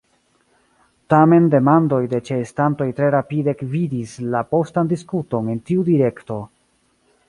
Tamen demandoj de ĉeestantoj tre rapide gvidis la postan diskuton en tiu direkto.